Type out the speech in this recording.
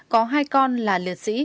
có hai con là liệt sĩ